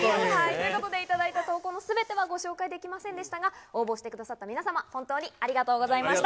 ということで頂いた投稿のすべてはご紹介できませんでしたが、応募してくださった皆様、本当にありがとうございました。